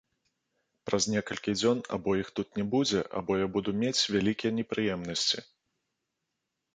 Праз некалькі дзён або іх тут не будзе, або я буду мець вялікія непрыемнасці.